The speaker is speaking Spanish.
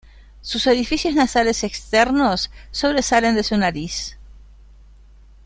Sus orificios nasales externos sobresalen de su nariz.